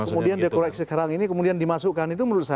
kemudian dikoreksi sekarang ini kemudian dimasukkan